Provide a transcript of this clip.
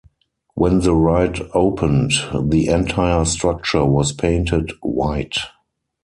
When the ride opened, the entire structure was painted white.